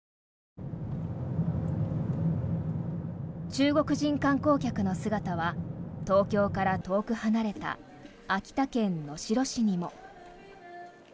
中国人観光客の姿は東京から遠く離れた秋田県能代市にも。